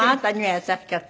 優しかった。